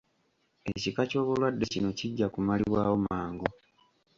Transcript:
Ekika ky'obulwadde kino kijja kumalibwawo mangu.